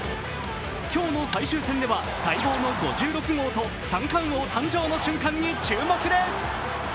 今日の最終戦では待望の５６号と三冠王誕生に注目です。